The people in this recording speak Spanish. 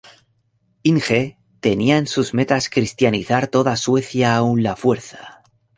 Inge tenía en sus metas cristianizar toda Suecia aun a la fuerza.